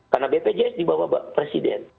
karena bpjs dibawa presiden